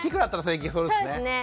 そうですね。